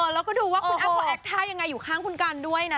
แล้วก็ดูว่าคุณอ้ำเขาแอคท่ายังไงอยู่ข้างคุณกันด้วยนะ